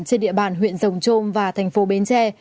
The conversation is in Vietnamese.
trên địa bàn huyện rồng trôm và thành phố bến tre